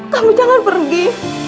kamu jangan pergi